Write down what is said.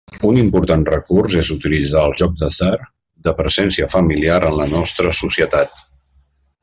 Un important recurs és utilitzar els jocs d'atzar, de presència familiar en la nostra societat.